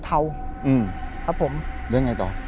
เรื่องยังไงหรือต่อ